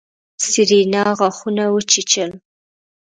سېرېنا غاښونه وچيچل.